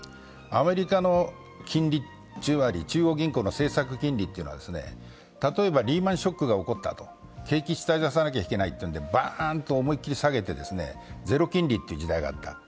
アメリカの金利、中央銀行の政策金利というのは例えばリーマン・ショックが起こったあと、景気を下支えしなきゃいけないと、バーンと思いっきり下げてゼロ金利という時代があった。